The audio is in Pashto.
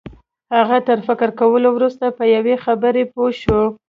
هغه تر فکر کولو وروسته په یوه خبره پوه شو